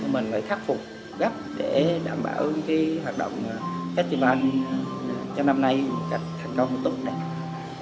mình phải khắc phục gấp để đảm bảo cái hoạt động khách trị ban cho năm nay thành công một tuần